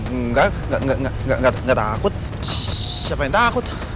enggak enggak enggak enggak takut siapa yang takut